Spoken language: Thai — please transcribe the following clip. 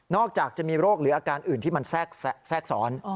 จากจะมีโรคหรืออาการอื่นที่มันแทรกซ้อน